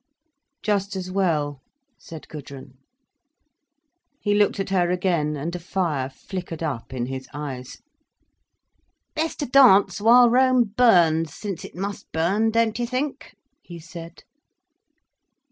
"Just as well," said Gudrun. He looked at her again, and a fire flickered up in his eyes. "Best to dance while Rome burns, since it must burn, don't you think?" he said.